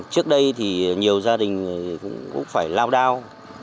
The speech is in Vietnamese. trước đây nhiều gia đình cũng phải lao đao